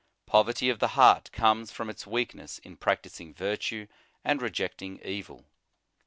Pov erty of the heart comes from its weakness in practising virtue and rejecting evil.